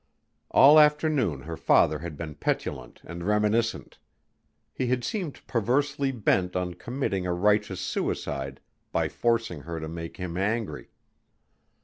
All afternoon her father had been petulant and reminiscent. He had seemed perversely bent on committing a righteous suicide by forcing her to make him angry.